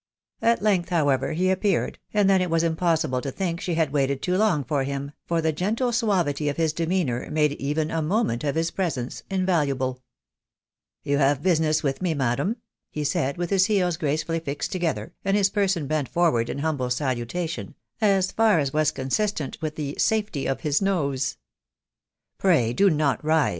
At length, however, he appeared, and then it was impos 456 THE WIDOW BJLBNABY. gible to think she bad waited too long for him, fox the gentle suavity of hit demeanour made even a moment of his presence invaluable. " You have business with me, madam?" he said, with his heels gracefully fixed together, and his person bent forward in humble salutation, as far as was consistent with the safety of his nose ••••" Pray do not rise.